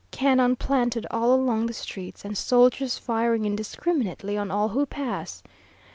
Cannon planted all along the streets, and soldiers firing indiscriminately on all who pass.